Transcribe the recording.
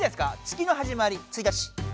月のはじまり１日。